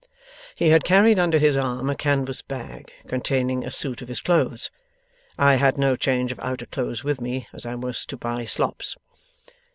'He had carried under his arm a canvas bag, containing a suit of his clothes. I had no change of outer clothes with me, as I was to buy slops.